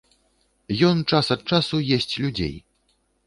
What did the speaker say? Ён час ад часу есць людзей.